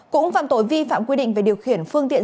cũng phạm tội vi phạm quy định về điều khiển phương tiện